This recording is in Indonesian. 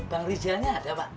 tang rizalnya ada pak